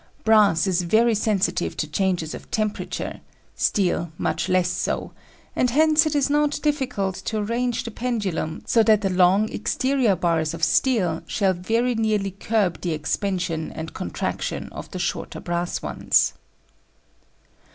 Brass is very sensitive to changes of temperature, steel much less so; and hence it is not difficult to arrange the pendulum so that the long exterior bars of steel shall very nearly curb the expansion and contraction of the shorter brass ones.